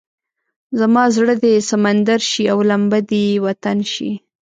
زما زړه دې سمندر شي او لمبه دې وطن شي.